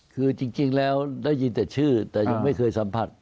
คือจริงแล้วได้ยินแต่ชื่อแต่ยังไม่เคยสัมผัส